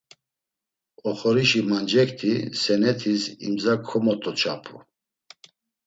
Oxorişi mancekti senet̆is imza komot̆oçapu.